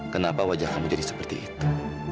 kenapa wajah kamu jadi seperti itu